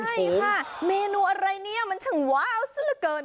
ใช่ค่ะเมนูอะไรเนี่ยมันช่างว้าวซะละเกิน